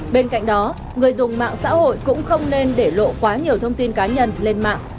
bên cạnh đó người dùng mạng xã hội cũng không nên để lộ quá nhiều thông tin cá nhân lên mạng